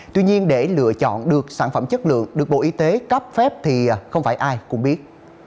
tuy nhiên để lựa chọn được sản phẩm chất lượng được bộ y tế cấp phép thì không phải ai cũng biết